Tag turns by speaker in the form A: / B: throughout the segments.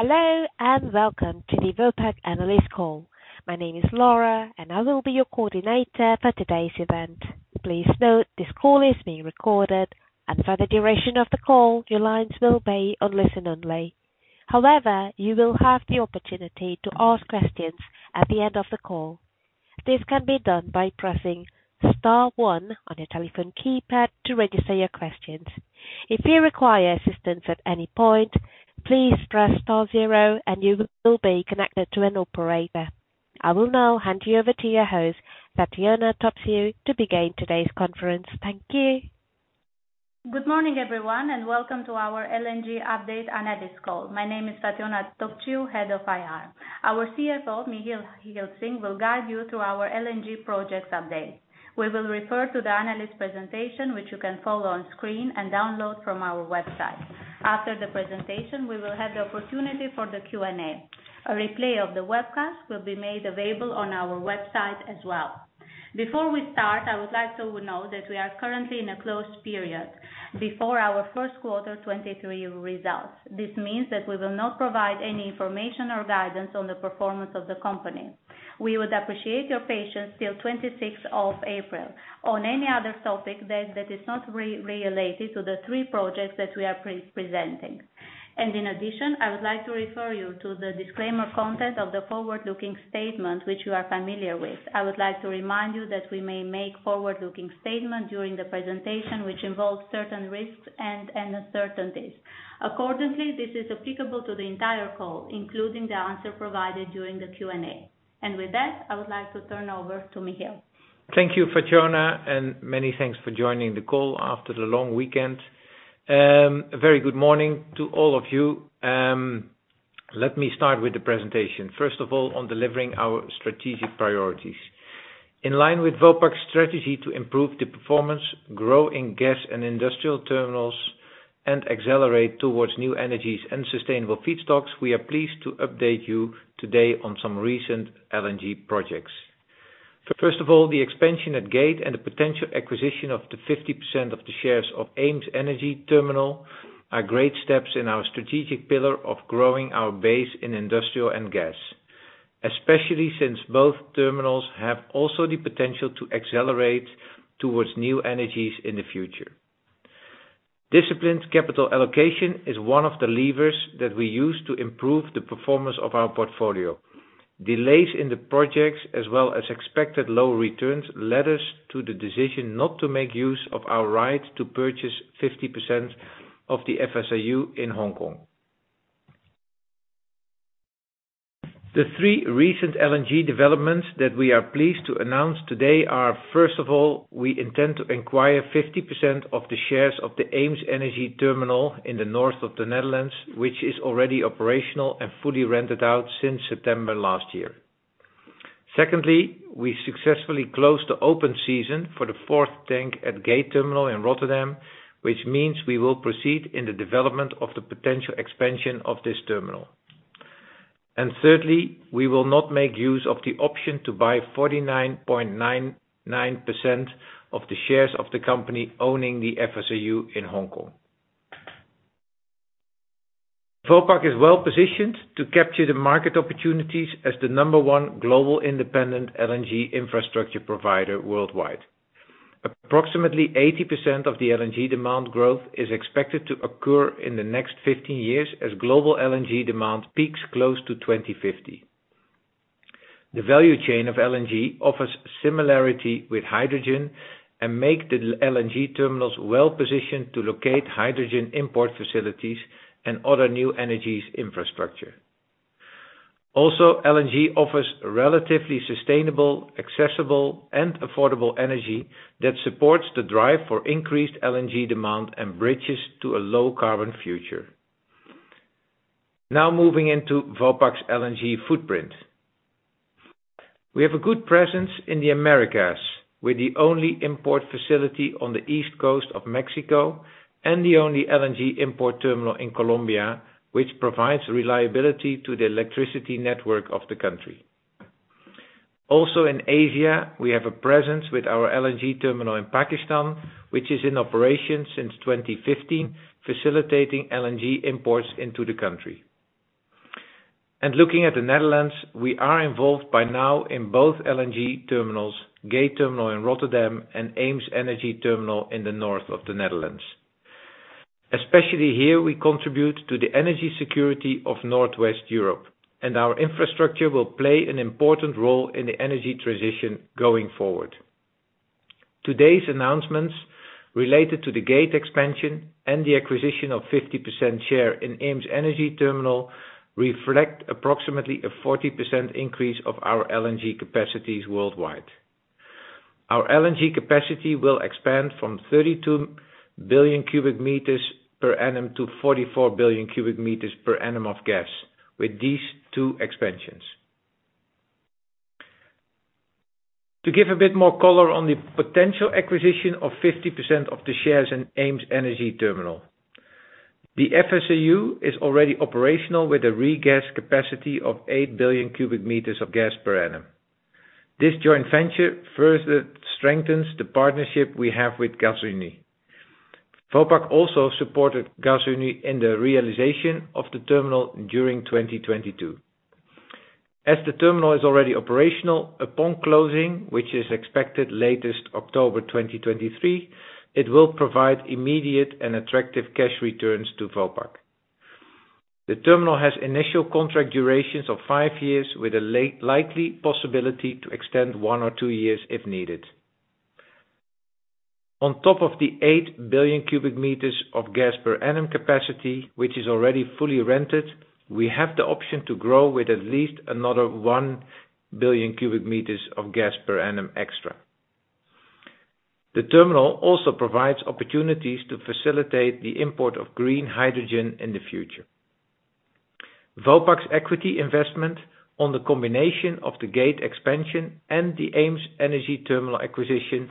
A: Hello. Welcome to the Vopak Analyst Call. My name is Laura, and I will be your coordinator for today's event. Please note this call is being recorded, and for the duration of the call, your lines will be on listen-only. However, you will have the opportunity to ask questions at the end of the call. This can be done by pressing star one on your telephone keypad to register your questions. If you require assistance at any point, please press star zero and you will be connected to an operator. I will now hand you over to your host, Fatjona Topciu, to begin today's conference. Thank you.
B: Good morning, everyone, welcome to our LNG update analyst call. My name is Fatjona Topciu, Head of IR. Our CFO, Michiel Gilsing, will guide you through our LNG projects update. We will refer to the analyst presentation, which you can follow on screen and download from our website. After the presentation, we will have the opportunity for the Q&A. A replay of the webcast will be made available on our website as well. Before we start, I would like to note that we are currently in a closed period before our first quarter 2023 results. This means that we will not provide any information or guidance on the performance of the company. We would appreciate your patience till 26th of April on any other topic that is not related to the three projects that we are presenting. In addition, I would like to refer you to the disclaimer content of the forward-looking statement which you are familiar with. I would like to remind you that we may make forward-looking statement during the presentation, which involves certain risks and uncertainties. Accordingly, this is applicable to the entire call, including the answer provided during the Q&A. With that, I would like to turn over to Michiel.
C: Thank you, Fatjona, many thanks for joining the call after the long weekend. A very good morning to all of you. Let me start with the presentation. First of all, on delivering our strategic priorities. In line with Vopak's strategy to improve the performance, grow in gas and industrial terminals, and accelerate towards new energies and sustainable feedstocks, we are pleased to update you today on some recent LNG projects. First of all, the expansion at Gate and the potential acquisition of the 50% of the shares of EemsEnergyTerminal are great steps in our strategic pillar of growing our base in industrial and gas. Especially since both terminals have also the potential to accelerate towards new energies in the future. Disciplined capital allocation is one of the levers that we use to improve the performance of our portfolio. Delays in the projects, as well as expected low returns, led us to the decision not to make use of our right to purchase 50% of the FSRU in Hong Kong. The three recent LNG developments that we are pleased to announce today are, first of all, we intend to acquire 50% of the shares of the EemsEnergyTerminal in the north of the Netherlands, which is already operational and fully rented out since September last year. Secondly, we successfully closed the open season for the fourth tank at Gate terminal in Rotterdam, which means we will proceed in the development of the potential expansion of this terminal. Thirdly, we will not make use of the option to buy 49.99% of the shares of the company owning the FSRU in Hong Kong. Vopak is well-positioned to capture the market opportunities as the number one global independent LNG infrastructure provider worldwide. Approximately 80% of the LNG demand growth is expected to occur in the next 15 years as global LNG demand peaks close to 2050. The value chain of LNG offers similarity with hydrogen and make the LNG terminals well-positioned to locate hydrogen import facilities and other new energies infrastructure. LNG offers relatively sustainable, accessible, and affordable energy that supports the drive for increased LNG demand and bridges to a low carbon future. Moving into Vopak's LNG footprint. We have a good presence in the Americas, with the only import facility on the East Coast of Mexico and the only LNG import terminal in Colombia, which provides reliability to the electricity network of the country. In Asia, we have a presence with our LNG terminal in Pakistan, which is in operation since 2015, facilitating LNG imports into the country. Looking at the Netherlands, we are involved by now in both LNG terminals, Gate terminal in Rotterdam and EemsEnergyTerminal in the north of the Netherlands. Especially here, we contribute to the energy security of Northwest Europe, and our infrastructure will play an important role in the energy transition going forward. Today's announcements related to the Gate expansion and the acquisition of 50% share in EemsEnergyTerminal reflect approximately a 40% increase of our LNG capacities worldwide. Our LNG capacity will expand from 32 billion cubic meters per annum to 44 billion cubic meters per annum of gas with these two expansions. To give a bit more color on the potential acquisition of 50% of the shares in EemsEnergyTerminal. The FSRU is already operational with a regas capacity of 8 billion cubic meters of gas per annum. This joint venture further strengthens the partnership we have with Gasunie. Vopak also supported Gasunie in the realization of the terminal during 2022. As the terminal is already operational upon closing, which is expected latest October 2023, it will provide immediate and attractive cash returns to Vopak. The terminal has initial contract durations of five years with a likely possibility to extend one or two years if needed. On top of the 8 billion cubic meters of gas per annum capacity, which is already fully rented, we have the option to grow with at least another 1 billion cubic meters of gas per annum extra. The terminal also provides opportunities to facilitate the import of green hydrogen in the future. Vopak's equity investment on the combination of the Gate expansion and the EemsEnergyTerminal acquisition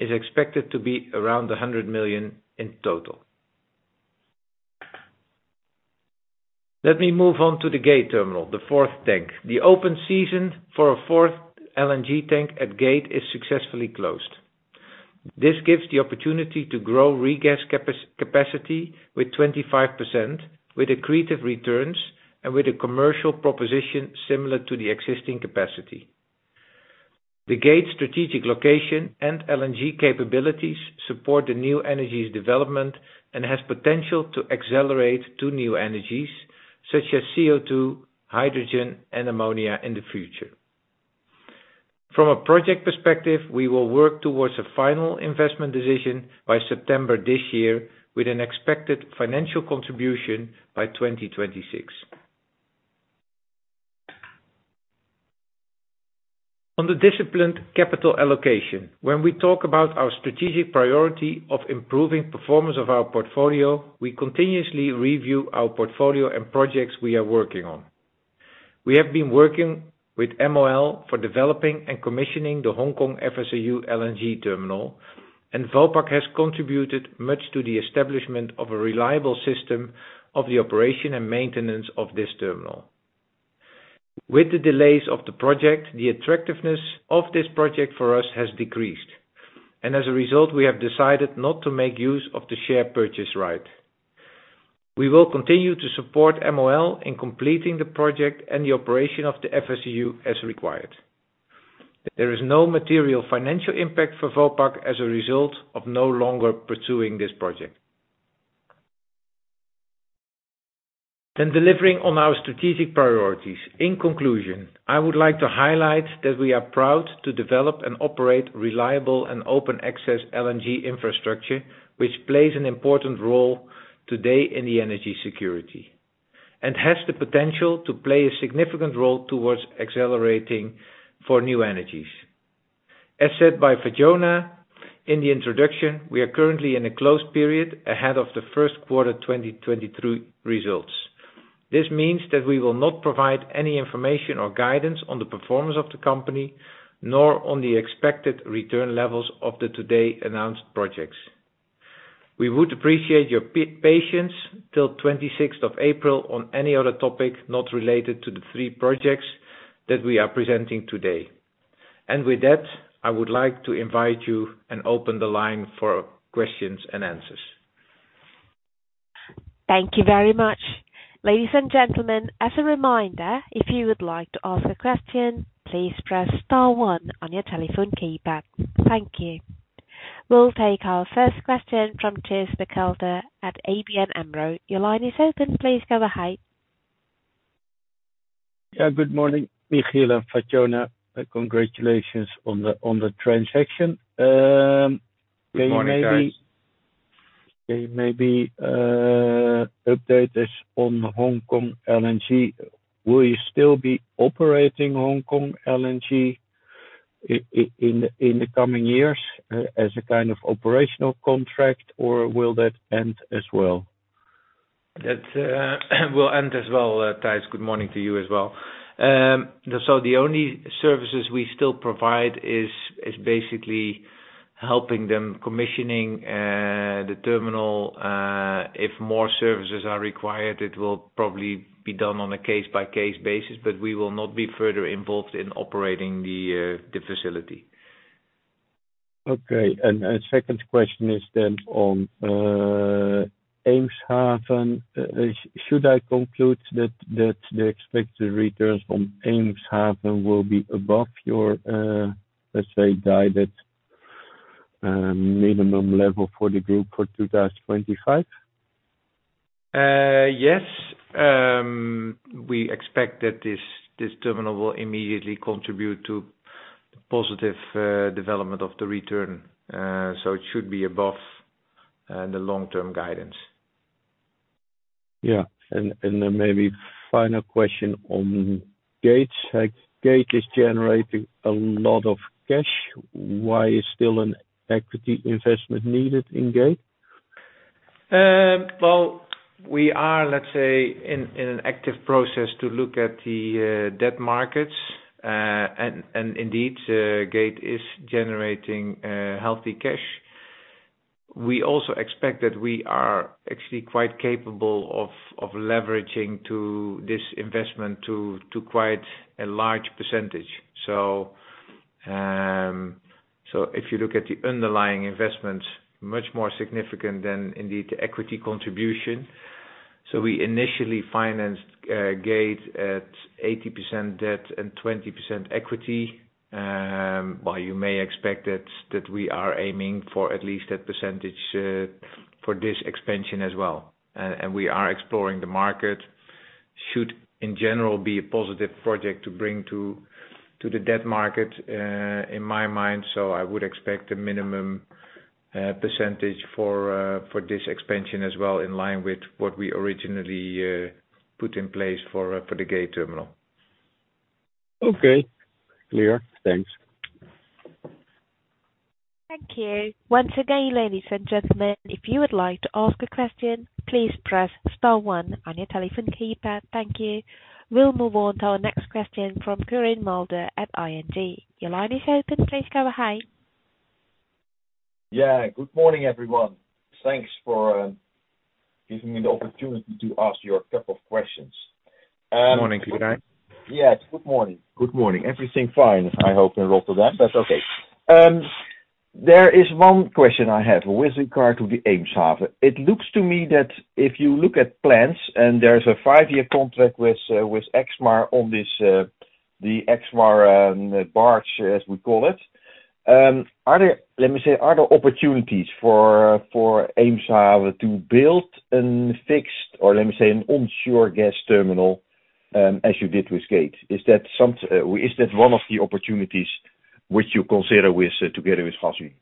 C: is expected to be around 100 million in total. Let me move on to the Gate terminal, the fourth tank. The open season for a fourth LNG tank at Gate is successfully closed. This gives the opportunity to grow regas capacity with 25% with accretive returns and with a commercial proposition similar to the existing capacity. The Gate strategic location and LNG capabilities support the new energies development and has potential to accelerate to new energies such as CO2, hydrogen, and ammonia in the future. From a project perspective, we will work towards a final investment decision by September this year with an expected financial contribution by 2026. On the disciplined capital allocation. When we talk about our strategic priority of improving performance of our portfolio, we continuously review our portfolio and projects we are working on. We have been working with MOL for developing and commissioning the Hong Kong FSRU LNG terminal, and Vopak has contributed much to the establishment of a reliable system of the operation and maintenance of this terminal. With the delays of the project, the attractiveness of this project for us has decreased, and as a result, we have decided not to make use of the share purchase right. We will continue to support MOL in completing the project and the operation of the FSRU as required. There is no material financial impact for Vopak as a result of no longer pursuing this project. Delivering on our strategic priorities. In conclusion, I would like to highlight that we are proud to develop and operate reliable and open access LNG infrastructure, which plays an important role today in the energy security and has the potential to play a significant role towards accelerating for new energies. As said by Fatjona in the introduction, we are currently in a closed period ahead of the first quarter 2023 results. This means that we will not provide any information or guidance on the performance of the company, nor on the expected return levels of the today announced projects. We would appreciate your patience till 26th of April on any other topic not related to the three projects that we are presenting today. With that, I would like to invite you and open the line for questions and answers.
A: Thank you very much. Ladies and gentlemen, as a reminder, if you would like to ask a question, please press star one on your telephone keypad. Thank you. We'll take our first question from Thijs Berkelder at ABN AMRO. Your line is open. Please go ahead.
D: Yeah, good morning, Michiel and Fatjona. Congratulations on the transaction. Can you maybe?
C: Good morning, Thijs.
D: Can you maybe update us on Hong Kong LNG? Will you still be operating Hong Kong LNG in the coming years, as a kind of operational contract, or will that end as well?
C: That will end as well, Thijs. Good morning to you as well. The only services we still provide is basically helping them commissioning the terminal. If more services are required, it will probably be done on a case-by-case basis, but we will not be further involved in operating the facility.
D: Okay. A second question is then on Eemshaven. Should I conclude that the expected returns from Eemshaven will be above your, let's say, guided minimum level for the group for 2025?
C: Yes. We expect that this terminal will immediately contribute to positive development of the return. It should be above the long-term guidance.
D: Yeah. Then maybe final question on Gate. Like, Gate is generating a lot of cash. Why is still an equity investment needed in Gate?
C: Well, we are, let's say, in an active process to look at the debt markets, and indeed, Gate is generating healthy cash. We also expect that we are actually quite capable of leveraging to this investment to quite a large percentage. If you look at the underlying investments, much more significant than indeed the equity contribution. We initially financed Gate at 80% debt and 20% equity. Well, you may expect that we are aiming for at least that percentage for this expansion as well. We are exploring the market should, in general, be a positive project to bring to the debt market in my mind. I would expect a minimum percentage for this expansion as well, in line with what we originally put in place for the Gate terminal.
E: Okay, clear. Thanks.
A: Thank you. Once again, ladies and gentlemen, if you would like to ask a question, please press star one on your telephone keypad. Thank you. We'll move on to our next question from Quirijn Mulder at ING. Your line is open. Please go ahead.
E: Good morning, everyone. Thanks for giving me the opportunity to ask you a couple of questions.
C: Morning, Quirijn.
E: Yes, good morning. Good morning. Everything fine, I hope in Rotterdam.
C: That's okay.
E: There is one question I have with regard to the Eemshaven. It looks to me that if you look at plans, there's a five-year contract with Exmar on this, the Exmar barge, as we call it. Let me say, are there opportunities for Eemshaven to build a fixed or, let me say, an onshore gas terminal, as you did with Gate? Is that one of the opportunities which you consider with, together with Gasunie?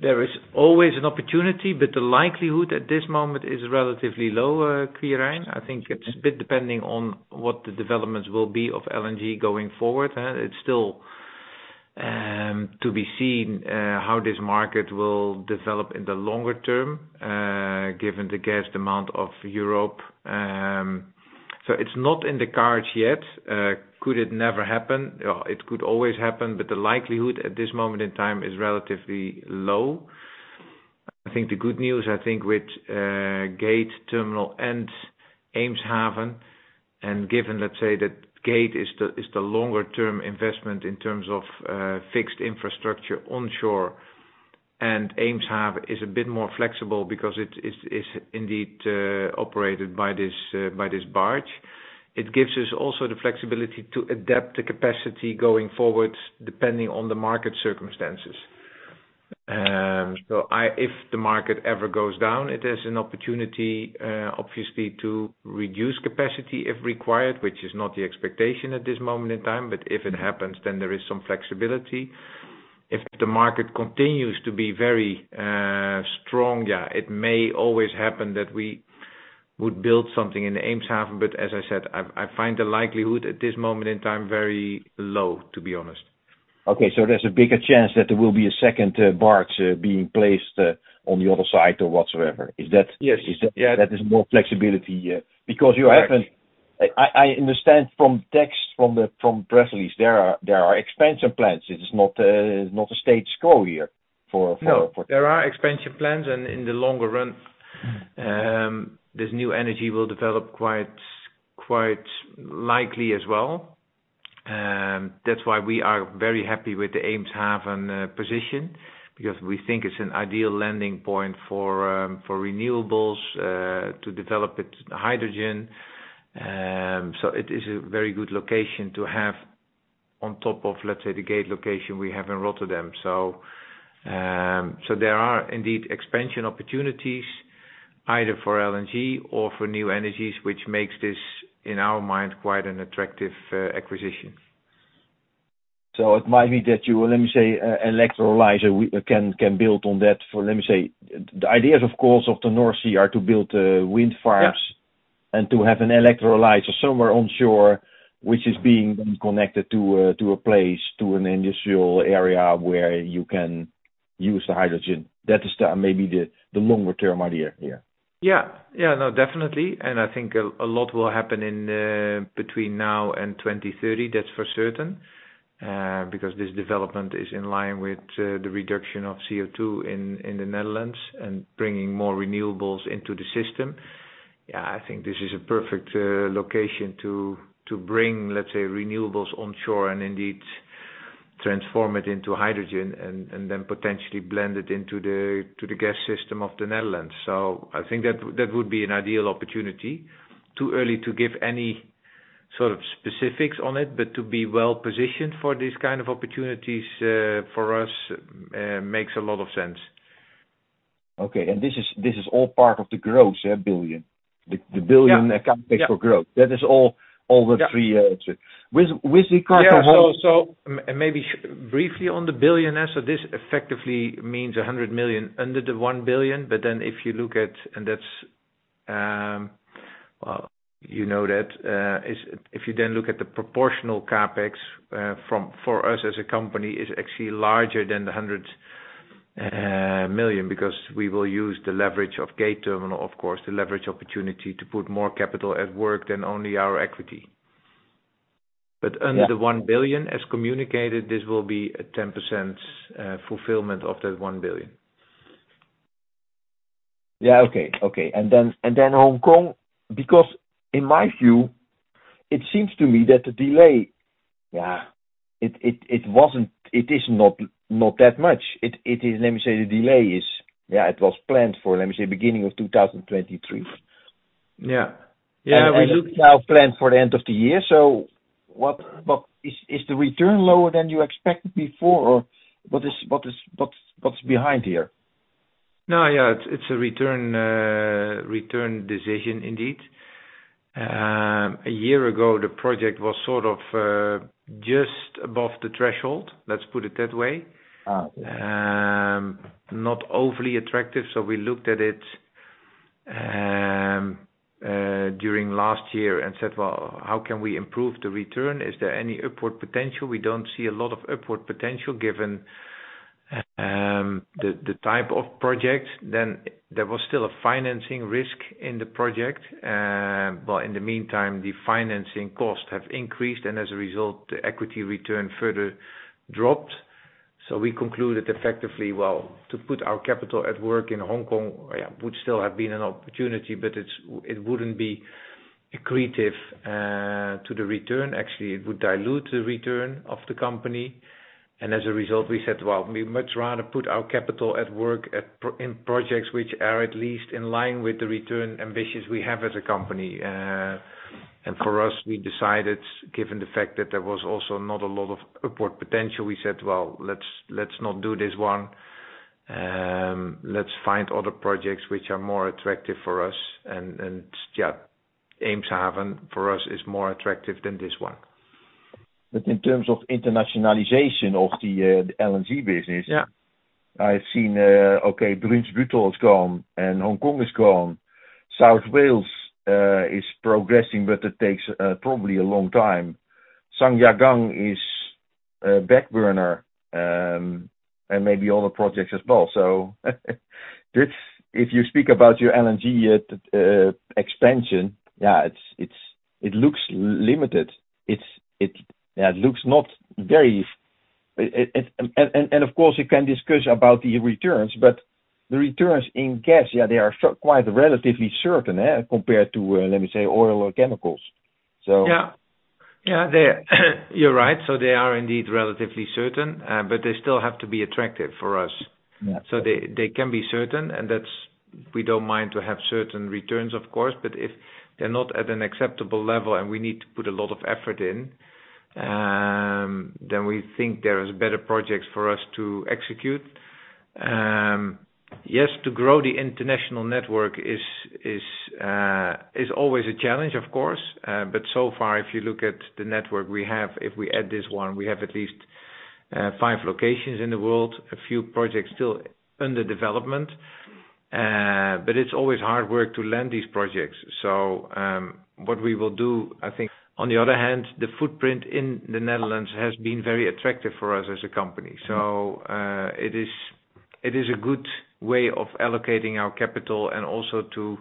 C: There is always an opportunity, but the likelihood at this moment is relatively low, Quirijn. I think it's a bit depending on what the developments will be of LNG going forward? It's still to be seen how this market will develop in the longer term, given the gas demand of Europe. It's not in the cards yet. Could it never happen? It could always happen, but the likelihood at this moment in time is relatively low. I think the good news, I think with Gate terminal and Eemshaven, and given, let's say, that Gate is the longer term investment in terms of fixed infrastructure onshore, and Eemshaven is a bit more flexible because it's indeed operated by this by this barge. It gives us also the flexibility to adapt the capacity going forward, depending on the market circumstances. If the market ever goes down, it is an opportunity obviously to reduce capacity if required, which is not the expectation at this moment in time. If it happens, then there is some flexibility. If the market continues to be very strong, yeah, it may always happen that we would build something in Eemshaven. As I said, I find the likelihood at this moment in time very low, to be honest.
E: Okay. There's a bigger chance that there will be a second barge being placed on the other side or whatsoever. Is that?
C: Yes. Yeah.
E: That is more flexibility.
C: Correct.
E: I understand from the press release, there are expansion plans. This is not a stage goal here for.
C: There are expansion plans. In the longer run, this new energy will develop quite likely as well. That's why we are very happy with the Eemshaven position because we think it's an ideal landing point for renewables to develop its hydrogen. It is a very good location to have on top of, let's say, the Gate location we have in Rotterdam. There are indeed expansion opportunities either for LNG or for new energies, which makes this, in our mind, quite an attractive acquisition.
E: It might be that you, let me say, electrolyzer can build on that for, let me say. The ideas, of course, of the North Sea are to build, wind farms.
C: Yeah.
E: to have an electrolyzer somewhere onshore which is being connected to a place, to an industrial area where you can use the hydrogen. That is maybe the longer-term idea, yeah.
C: Yeah, no, definitely. I think a lot will happen in between now and 2030, that's for certain because this development is in line with the reduction of CO2 in the Netherlands and bringing more renewables into the system. Yeah, I think this is a perfect location to bring, let's say, renewables onshore and indeed transform it into hydrogen and then potentially blend it into the gas system of the Netherlands. I think that would be an ideal opportunity. Too early to give any sort of specifics on it, but to be well-positioned for these kind of opportunities for us makes a lot of sense.
E: Okay. This is all part of the growth, yeah, billion?
C: Yeah.
E: capital for growth.
C: Yeah.
E: That is all the three.
C: Yeah.
E: With
C: Yeah. Maybe briefly on the billion, as this effectively means 100 million under the 1 billion. If you look at... That's, well, you know that, is if you then look at the proportional CapEx for us as a company is actually larger than the 100 million, because we will use the leverage of Gate terminal, of course, the leverage opportunity to put more capital at work than only our equity.
E: Yeah.
C: Under 1 billion as communicated, this will be a 10% fulfillment of that 1 billion.
E: Yeah. Okay. Hong Kong, because in my view, it seems to me that the delay, yeah, it is not that much. It is... Let me say the delay is, yeah, it was planned for, let me say, beginning of 2023.
C: Yeah. Yeah.
E: Now planned for the end of the year. What, is the return lower than you expected before? What is, what's behind here?
C: No, yeah. It's a return decision indeed. A year ago, the project was sort of just above the threshold, let's put it that way.
E: Okay.
C: Not overly attractive, we looked at it during last year and said, "Well, how can we improve the return? Is there any upward potential?" We don't see a lot of upward potential given the type of projects. There was still a financing risk in the project. In the meantime, the financing costs have increased, and as a result, the equity return further dropped. We concluded effectively, well, to put our capital at work in Hong Kong would still have been an opportunity, but it's, it wouldn't be accretive to the return. Actually, it would dilute the return of the company. As a result, we said, "Well, we much rather put our capital at work in projects which are at least in line with the return ambitions we have as a company." For us, we decided, given the fact that there was also not a lot of upward potential, we said, "Well, let's not do this one." Let's find other projects which are more attractive for us. Yeah, Eemshaven for us is more attractive than this one.
E: In terms of internationalization of the LNG business.
C: Yeah.
E: I've seen, okay, Brunsbüttel is gone and Hong Kong is gone. South Wales is progressing, but it takes probably a long time. Zhangjiagang is a back burner, and maybe other projects as well. This, if you speak about your LNG expansion, yeah, it looks limited. Yeah, it looks not very. Of course you can discuss about the returns, but the returns in gas, yeah, they are so quite relatively certain, compared to let me say oil or chemicals.
C: Yeah. Yeah, they're you're right. They are indeed relatively certain, but they still have to be attractive for us.
E: Yeah.
C: They can be certain, and that's, we don't mind to have certain returns, of course, but if they're not at an acceptable level and we need to put a lot of effort in, then we think there is better projects for us to execute. Yes, to grow the international network is always a challenge, of course. So far, if you look at the network we have, if we add this one, we have at least, five locations in the world, a few projects still under development. It's always hard work to land these projects. What we will do, I think, on the other hand, the footprint in the Netherlands has been very attractive for us as a company. It is a good way of allocating our capital and also to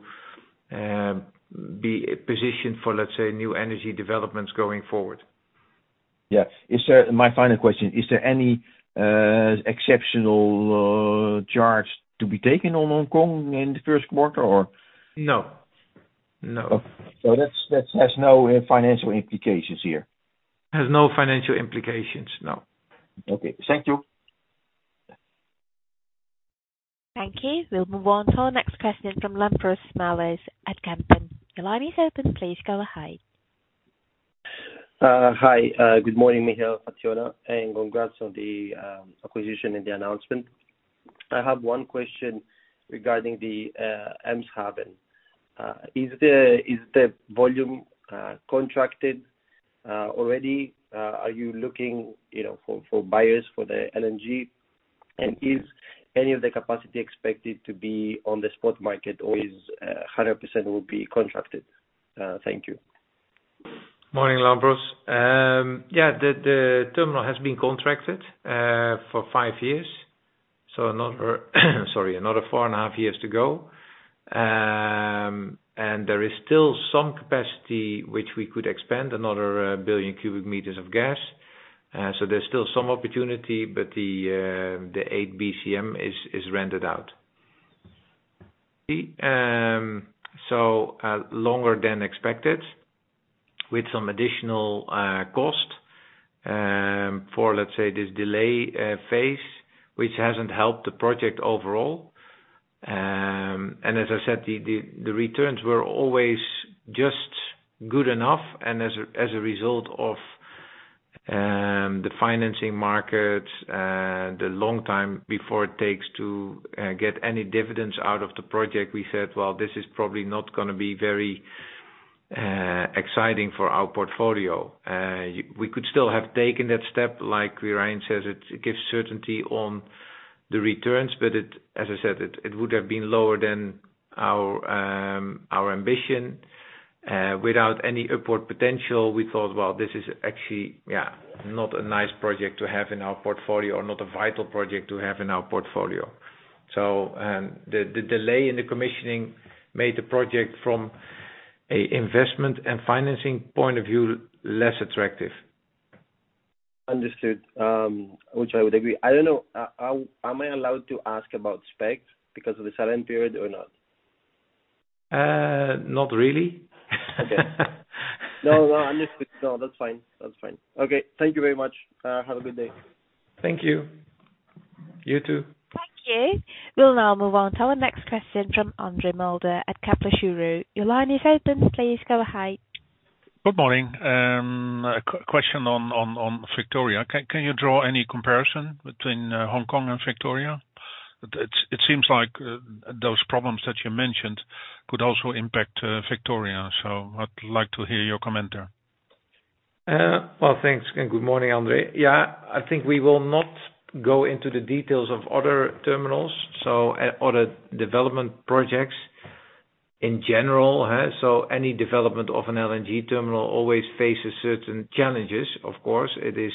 C: be positioned for, let's say, new energy developments going forward.
E: Yeah. My final question, is there any exceptional charge to be taken on Hong Kong in the first quarter or?
C: No. No.
E: That's has no financial implications here?
C: Has no financial implications, no.
E: Okay. Thank you.
A: Thank you. We'll move on to our next question from Lampros Smailis at Kempen. The line is open. Please go ahead.
F: Hi. Good morning, Michiel, Fatjona, and congrats on the acquisition and the announcement. I have one question regarding the Eemshaven. Is the volume contracted already? Are you looking, you know, for buyers for the LNG? Is any of the capacity expected to be on the spot market or is 100% will be contracted? Thank you.
C: Morning, Lampros. The terminal has been contracted for five years, so another four and a half years to go. There is still some capacity which we could expand another 1 billion cubic meters of gas. There's still some opportunity, but the 8 BCM is rented out. Longer than expected with some additional cost for, let's say, this delay phase, which hasn't helped the project overall. As I said, the returns were always just good enough, as a result of the financing market, the long time before it takes to get any dividends out of the project, we said, "Well, this is probably not gonna be very exciting for our portfolio." We could still have taken that step. Like Quirijn says, it gives certainty on the returns. As I said, it would have been lower than our ambition without any upward potential. We thought, "Well, this is actually, yeah, not a nice project to have in our portfolio or not a vital project to have in our portfolio." The delay in the commissioning made the project from a investment and financing point of view, less attractive.
F: Understood. Which I would agree. I don't know, am I allowed to ask about specs because of the silent period or not?
C: Not really.
F: Okay. No, understood. No, that's fine. Okay. Thank you very much. Have a good day.
C: Thank you. You too.
A: Thank you. We'll now move on to our next question from Andre Mulder at Kepler Cheuvreux. Your line is open. Please go ahead.
G: Good morning. A question on Victoria. Can you draw any comparison between Hong Kong and Victoria? It seems like those problems that you mentioned could also impact Victoria, so I'd like to hear your comment there.
C: Well, thanks and good morning, Andre. Yeah, I think we will not go into the details of other terminals, so other development projects in general, huh? Any development of an LNG terminal always faces certain challenges, of course. It is,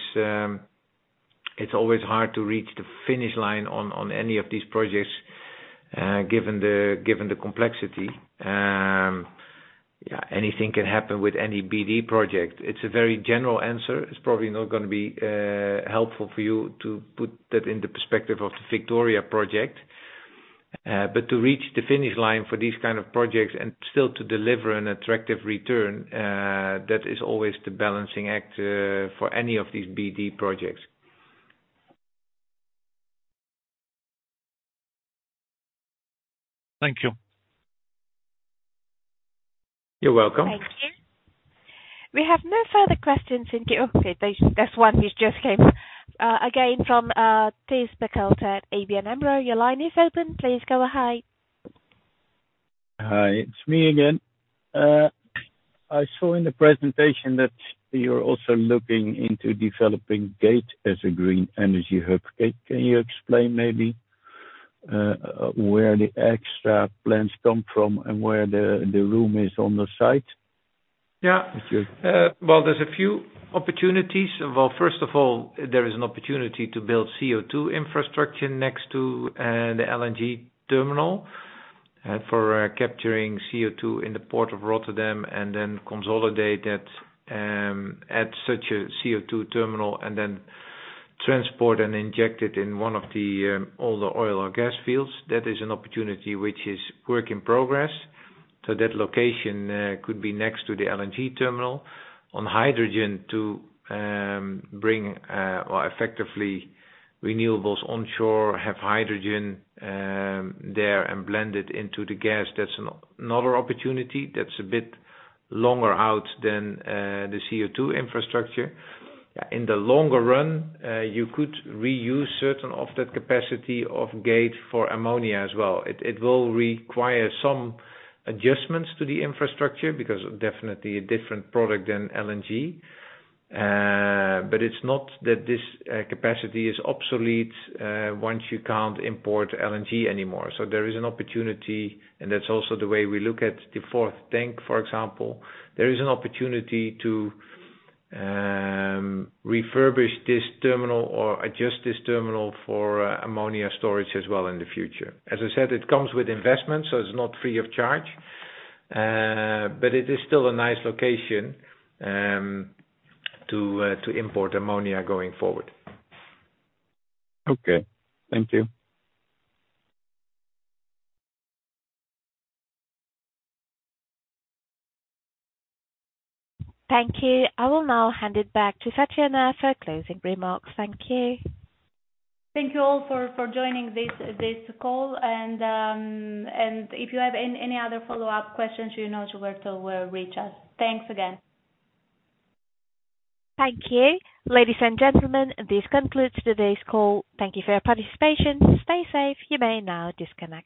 C: it's always hard to reach the finish line on any of these projects, given the, given the complexity. Yeah, anything can happen with any BD project. It's a very general answer. It's probably not gonna be helpful for you to put that in the perspective of the Victoria project. To reach the finish line for these kind of projects and still to deliver an attractive return, that is always the balancing act, for any of these BD projects.
G: Thank you.
C: You're welcome.
A: Thank you. We have no further questions in queue. Okay. There's one who just came. Again from Thijs Berkelder at ABN AMRO. Your line is open. Please go ahead.
D: Hi, it's me again. I saw in the presentation that you're also looking into developing Gate as a green energy hub. Can you explain maybe where the extra plans come from and where the room is on the site?
C: Yeah.
D: If you-
C: There's a few opportunities. First of all, there is an opportunity to build CO2 infrastructure next to the LNG terminal for capturing CO2 in the port of Rotterdam and then consolidate it at such a CO2 terminal and then transport and inject it in one of the all the oil or gas fields. That is an opportunity which is work in progress. That location could be next to the LNG terminal. On hydrogen, bring effectively renewables onshore, have hydrogen there and blend it into the gas. That's another opportunity that's a bit longer out than the CO2 infrastructure. In the longer run, you could reuse certain of that capacity of Gate for ammonia as well. It will require some adjustments to the infrastructure because definitely a different product than LNG. It's not that this capacity is obsolete once you can't import LNG anymore. There is an opportunity, and that's also the way we look at the fourth tank, for example. There is an opportunity to refurbish this terminal or adjust this terminal for ammonia storage as well in the future. As I said, it comes with investment, it's not free of charge, but it is still a nice location to import ammonia going forward.
D: Okay. Thank you.
A: Thank you. I will now hand it back to Fatjona for closing remarks. Thank you.
B: Thank you all for joining this call. If you have any other follow-up questions, you know where to reach us. Thanks again.
A: Thank you. Ladies and gentlemen, this concludes today's call. Thank you for your participation. Stay safe. You may now disconnect.